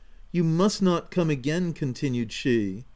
" You must not come again," continued she.